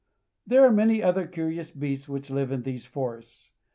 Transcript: There are many other curious beasts which live in these forests.